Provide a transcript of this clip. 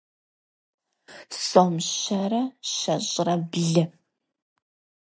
сто тридцать семь рублей